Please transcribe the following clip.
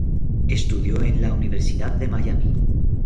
Estudió en la Universidad de Miami.